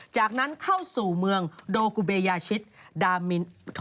จากนั้นเข้าสู่เมืองโดกุเบยาชิตดามิน